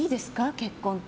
結婚って。